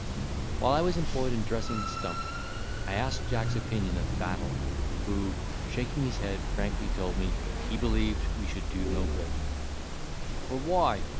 While I was employed in dressing the stump, I asked Jack's opinion of the battle, who, shaking his head, frankly told me, he believed we should do no good: "For why?